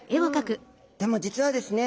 でも実はですね